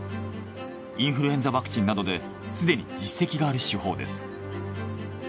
インフルエンザワクチンなどですでに実績がある手法です。